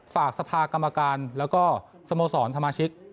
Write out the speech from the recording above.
สภากรรมการแล้วก็สโมสรสมาชิก